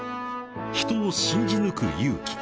［人を信じ抜く勇気］